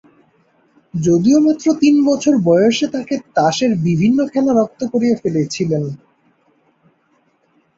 যদিও মাত্র তিন বছর বয়সে তাকে তাসের বিভিন্ন খেলা রপ্ত করিয়ে ফেলেছিলেন।